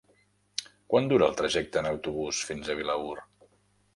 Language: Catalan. Quant dura el trajecte en autobús fins a Vilaür?